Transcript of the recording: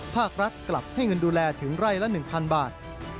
ภาครัฐกลับให้เงินดูแลถึงไร่ละ๑๐๐บาท